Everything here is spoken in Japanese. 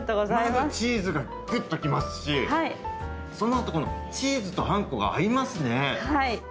まずチーズがぐっときますしそのあと、このチーズとあんこが合いますね。